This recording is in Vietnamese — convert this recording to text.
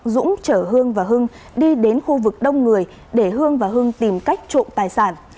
dũng trở hương và hương đi đến khu vực đông người để hương và hương tìm cách trộm tài sản